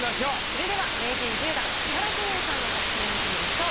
それでは名人１０段千原ジュニアさんの作品を見てみましょう。